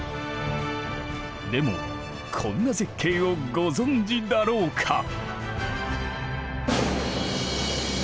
でもこんな絶景をご存じだろうか？